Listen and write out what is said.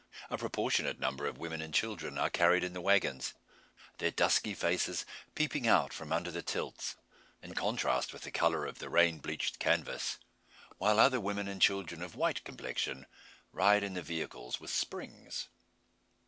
A proportionate number of women and children are carried in the wagons, their dusky faces peeping out from under the tilts, in contrast with the colour of the rain bleached canvass; while other women and children of white complexion ride in the vehicles with springs.